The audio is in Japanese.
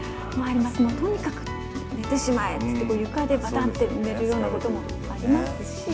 とにかく寝てしまえって、床でばたんって寝るようなこともありま